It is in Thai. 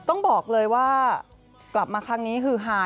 แล้วก็ต้องบอกเลยว่ากลับมาครั้งนี้หาแน่นอนนะคะ